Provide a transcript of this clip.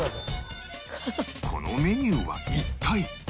このメニューは一体？